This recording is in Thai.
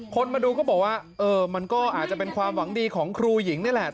คนมาดูก็บอกว่าเออมันก็อาจจะเป็นความหวังดีของครูหญิงนี่แหละ